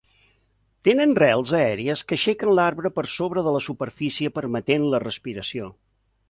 Tenen rels aèries que aixequen l'arbre per sobre de la superfície permetent la respiració.